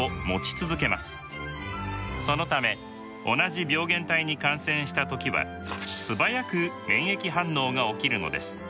そのため同じ病原体に感染した時は素早く免疫反応が起きるのです。